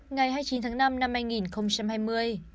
ngày hai mươi chín tháng năm năm hai nghìn hai mươi